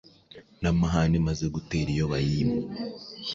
Namahane Imaze Gutera Iyo Bayima